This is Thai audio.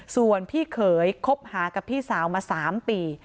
ส่วนพี่เขยคบหากับพี่สาวมา๓ปี